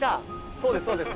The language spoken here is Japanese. そうですそうです。